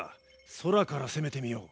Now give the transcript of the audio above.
空から攻めてみよう。